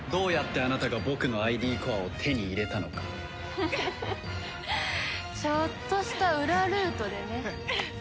フフフッちょっとした裏ルートでね。